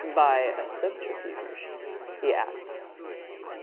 "By a subterfuge?" he asked.